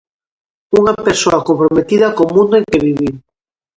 Unha persoa comprometida co mundo en que viviu.